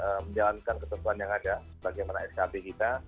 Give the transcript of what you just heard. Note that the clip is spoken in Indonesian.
dan kemudian menjalankan ketentuan yang ada bagaimana skp kita